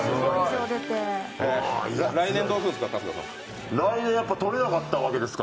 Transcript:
来年どうするんですか？